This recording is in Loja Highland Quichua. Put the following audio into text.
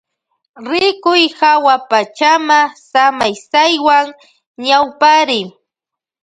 Rikuy hawapachama samaysaywan ñawpariy.